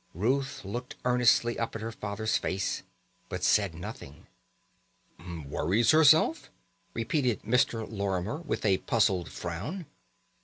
Ruth looked earnestly up at her father's face, but said nothing. "Worries herself?" repeated Mr. Lorimer, with a puzzled frown.